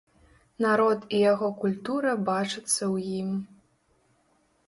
Народ і яго культура бачацца ў ім.